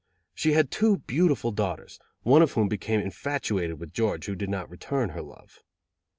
She had two beautiful daughters, one of whom became infatuated with George, who did not return her love.